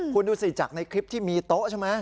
คุณดูสิจากในคลิปที่มีโต๊ะใช่ไหม